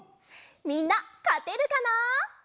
みんなかてるかな？